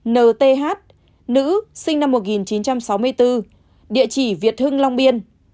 một mươi hai nth nữ sinh năm một nghìn chín trăm sáu mươi bốn địa chỉ việt hưng long biên